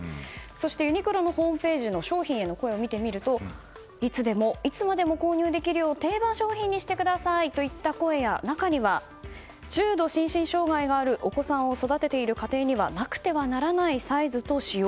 そして、ユニクロのホームページの商品への声を見てみるといつでもいつまでも購入できるよう定番商品にしてくださいといった声や中には、重度心身障害があるお子さんを育てている家庭にはなくてはならないサイズと仕様。